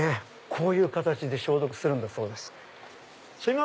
こういう形で消毒するんだそうです。